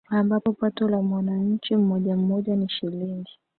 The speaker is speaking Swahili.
ambapo pato la mwananchi mmoja mmoja ni Shilingi